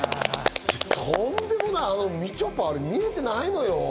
とんでもない、みちょぱ、あれ見えてないのよ。